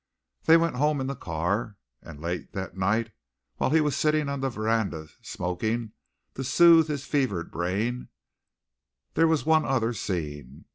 They went home in the car, and late that night, while he was sitting on the veranda smoking to soothe his fevered brain, there was one other scene.